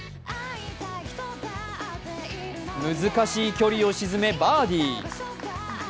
難しい距離を沈め、バーディー。